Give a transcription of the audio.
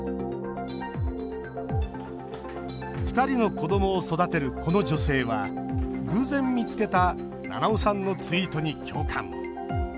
２人の子どもを育てるこの女性は偶然見つけた七尾さんのツイートに共感。